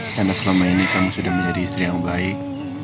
karena selama ini kamu sudah menjadi istri yang baik